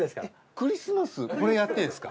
クリスマスこれやってんすか？